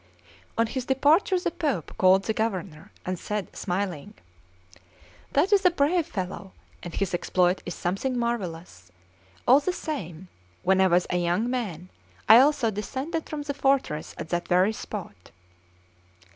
On his departure the Pope called the Governor, and said, smiling: "That is a brave fellow, and his exploit is something marvellous; all the same, when I was a young man, I also descended from the fortress at that very spot."